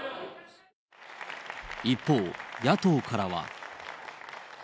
一方、野党からは。